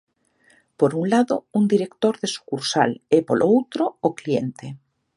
Por un lado, un director de sucursal e, polo outro, o cliente.